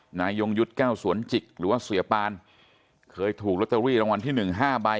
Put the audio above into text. นายยงยุทธ์แก้วสวนจิกหรือว่าเสียปานเคยถูกลอตเตอรี่รางวัลที่หนึ่งห้าใบ